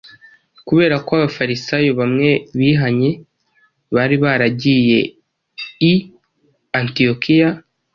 kubera ko Abafarisayo bamwe bihanye bari baragiye i Antiyokiya